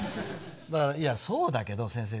だから「いやそうだけど先生」